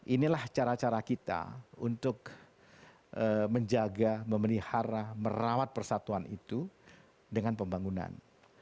inilah cara cara kita untuk menjaga memelihara merawat persatuan itu dengan pembangunan